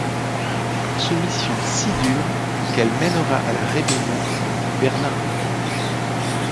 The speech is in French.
Soumission si dure, qu'elle mènera à la rébellion nous dit Bernard Noël.